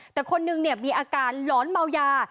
แต่คนหนึ่งเนี้ยมีอาการหลอนเมาหยา